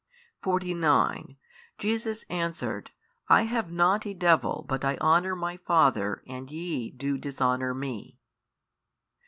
49 Jesus answered, I have not a devil but I honour My Father and YE do dishonour Me.